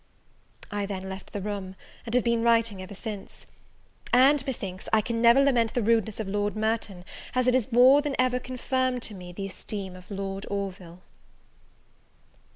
I then left the room, and have been writing ever since. And, methinks, I can never lament the rudeness of Lord Merton, as it has more than ever confirmed to me the esteem of Lord Orville.